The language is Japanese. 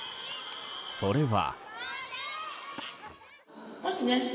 それは。